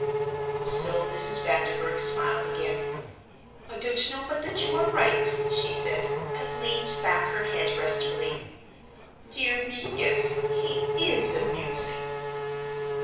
So Mrs. Vanderburgh smiled again. "I don't know but that you are right," she said, and leaned back her head restfully. "Dear me, yes, he is amusing."